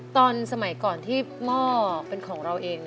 ตอนสมัยก่อนที่หม้อเป็นของเราเอง